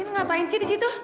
ngapain sih di situ